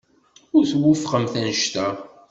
Ur twufqemt anect-a?